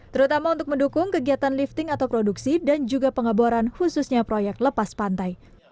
terutama untuk mendukung kegiatan lifting atau produksi dan juga pengeboran khususnya proyek lepas pantai